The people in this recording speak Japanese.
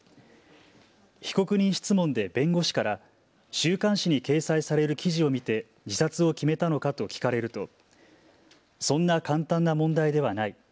被告人質問で弁護士から週刊誌に掲載される記事を見て自殺を決めたのかと聞かれるとそんな簡単な問題ではない。